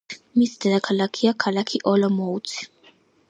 მისი დედაქალაქია ქალაქი ოლომოუცი.